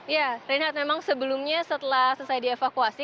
ya reinhardt memang sebelumnya setelah selesai dievakuasi